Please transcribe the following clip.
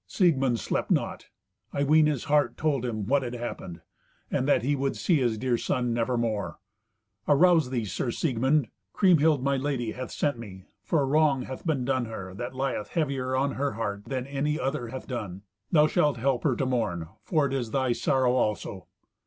Siegmund slept not. I ween his heart told him what had happened, and that he would see his dear son never more. "Arouse thee, Sir Siegmund! Kriemhild, my lady, hath sent me. For a wrong hath been done her, that lieth heavier on her heart than any other hath done. Thou shalt help her to mourn, for it is thy sorrow also."